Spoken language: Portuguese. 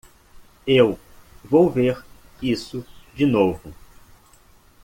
Eu vou ver isso de novo.